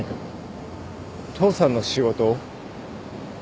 父さんの仕事を？